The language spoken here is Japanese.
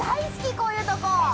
こういうとこ。